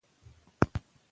تکرار د نوي عادت مور ده.